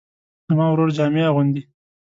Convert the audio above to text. زما ورور جامې اغوندي